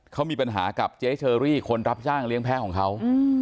เขามีปัญหากับเจ๊เชอรี่คนรับจ้างเลี้ยงแพ้ของเขา